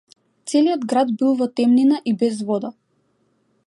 Целиот град бил во темнина и без вода.